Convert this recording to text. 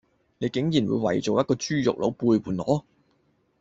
你竟然會為咗一個豬肉佬背叛我